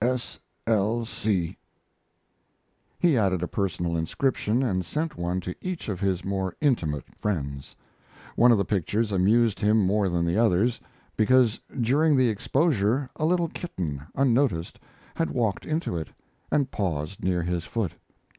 S. L. C. He added a personal inscription, and sent one to each of his more intimate friends. One of the pictures amused him more than the others, because during the exposure a little kitten, unnoticed, had walked into it, and paused near his foot.